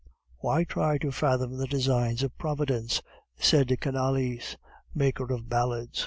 "Why try to fathom the designs of Providence?" said Canalis, maker of ballads.